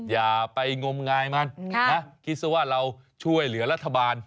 อย่าไปงมงายมันนะคิดซะว่าเราช่วยเหลือรัฐบาล